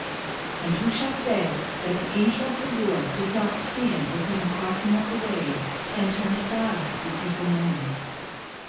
And who shall say that the angel of the Lord did not stand within the crossing of the ways and turn aside the evil men?